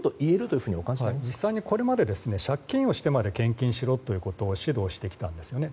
実際にこれまで借金をしてまで献金しろということを指導してきたんですね。